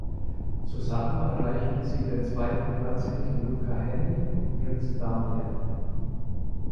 Zusammen erreichten sie den zweiten Platz hinter Luca Hänni und Prince Damien.